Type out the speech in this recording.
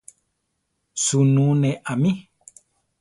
Suunú ne amí.